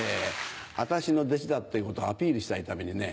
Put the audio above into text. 私の弟子だっていうことをアピールしたいためにね